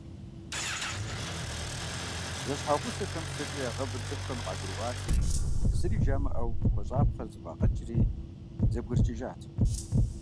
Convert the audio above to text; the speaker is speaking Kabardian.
Зэщхьэгъусэхэм псэкӀэ ягъэвыр цӀыхухэми къагурыӀуати, зыри жамыӀэу хуэщӀапхъэр зэфӀагъэкӀри, зэбгрыкӀыжат.